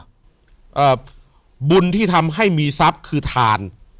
เอ่อบุญที่ทำให้มีทรัพย์คือทาน